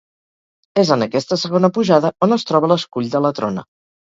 És en aquesta segona pujada on es troba l’escull de la Trona.